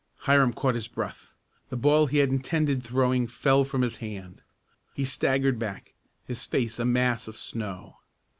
Hiram caught his breath. The ball he had intended throwing fell from his hand. He staggered back, his face a mass of snow.